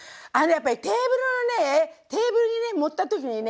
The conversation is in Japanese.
やっぱりテーブルのねテーブルに盛った時にね